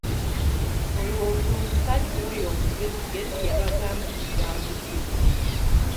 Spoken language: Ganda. Olowooza omusajja oyo omugezigezi yabagamba kigambo ki?